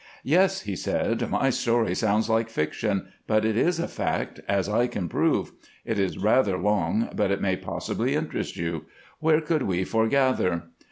"Yes," he said, "my story sounds like fiction, but it is a fact, as I can prove. It is rather long, but it may possibly interest you. Where could we foregather?"